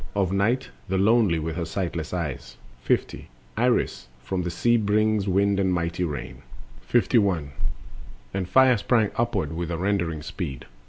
Of night, the lonely, with her sightless eyes. Wind and Rain. 50. Iris from sea brings wind or mighty rain. Fire. 51. And fire sprang upward with a rending speed.